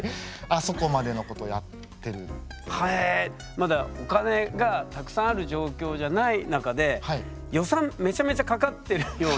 まだお金がたくさんある状況じゃない中で予算めちゃめちゃかかってるような。